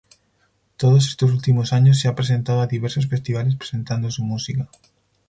Todos estos últimos años se ha presentado a diversos festivales presentando su música.